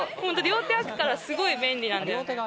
両手あくからすごい便利なんだよね。